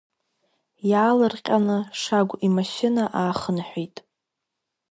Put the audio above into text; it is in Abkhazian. Иаалырҟьаны Шагә имашьына аахынҳәит.